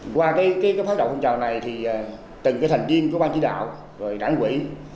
qua phát động phần trào này từ thành viên của ban chỉ đạo đảng quỹ